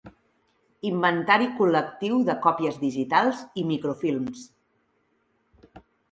Inventari col·lectiu de còpies digitals i microfilms.